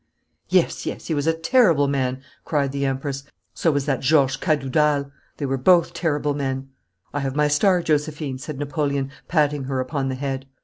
'Yes, yes, he was a terrible man,' cried the Empress. 'So was that Georges Cadoudal. They were both terrible men.' 'I have my star, Josephine,' said Napoleon, patting her upon the head.